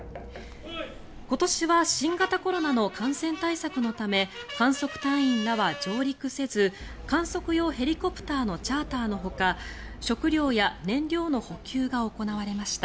今年は新型コロナの感染対策のため観測隊員らは上陸せず観測用ヘリコプターのチャーターのほか食料や燃料の補給が行われました。